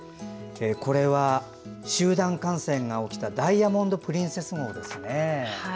これは集団感染が起きた「ダイヤモンド・プリンセス号」ですね。